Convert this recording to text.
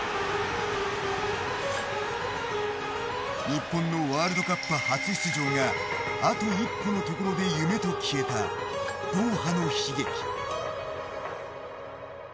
日本のワールドカップ初出場があと一歩のところで夢と消えたドーハの悲劇。